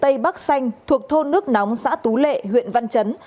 tây bắc xanh thuộc thôn nước nóng xã tú lệ huyện văn chấn